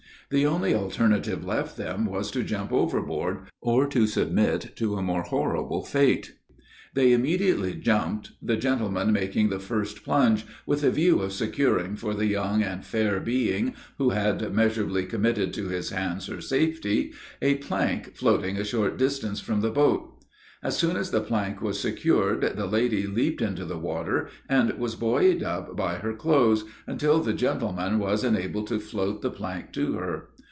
The only alternative left them was to jump overboard, or to submit to a more horrible fate. They immediately jumped, the gentleman making the first plunge, with a view of securing for the young and fair being, who had measurably committed to his hands her safety, a plank floating a short distance from the boat. As soon as the plank was secured, the lady leaped into the water and was buoyed up by her clothes, until the gentleman was enabled to float the plank to her.